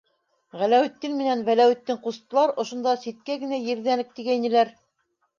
- Ғәләүетдин менән Вәләүетдин ҡустылар ошонда ситкә генә ерҙәнек тигәйнеләр.